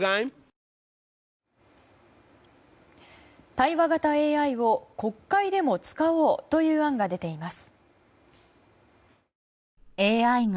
対話型ＡＩを国会でも使おうという案が出ています。